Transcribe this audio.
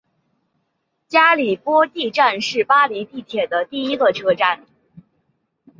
加里波第站是巴黎地铁的一个车站。